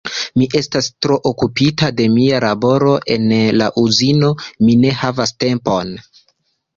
Mi estas tro okupata de mia laboro en la Uzino, mi ne havas tempon...